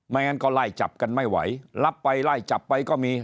งั้นก็ไล่จับกันไม่ไหวรับไปไล่จับไปก็มี